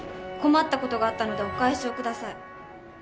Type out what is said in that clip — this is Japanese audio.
困ったことがあったのでお返しをください。